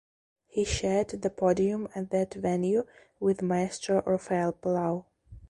He shared the podium at that venue with Maestro Rafael Palau.